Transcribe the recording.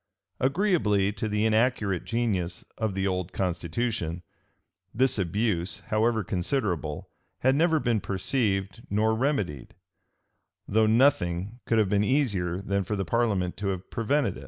Agreeably to the inaccurate genius of the old constitution, this abuse, however considerable, had never been perceived nor remedied; though nothing could have been easier than for the parliament to have prevented it.